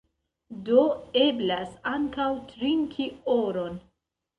Do, eblas ankaŭ trinki oron.